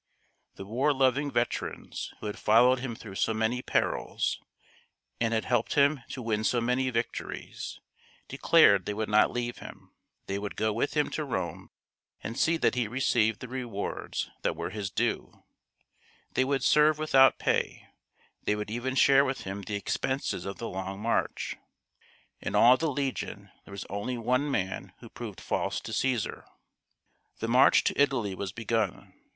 The war loving veterans who had followed him through so many perils, and had helped him to win so many victories, declared they would not leave him ; they would go with him to Rome and see that he received the rewards that were his due ; they would serve without pay ; they would even share with him the expenses of the long march. In all the legion there was only one man who proved false to Caesar. The march to Italy was begun.